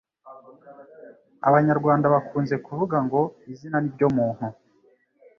Abanyarwanda bakunze kuvuga ngo ‘izina ni ryo muntu’.